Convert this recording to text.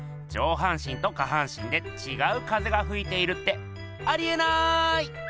上半身と下半身でちがう風がふいているってありえない！